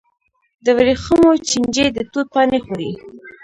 د ورېښمو چینجي د توت پاڼې خوري.